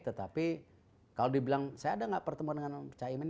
tetapi kalau dibilang saya ada nggak pertemuan dengan caimin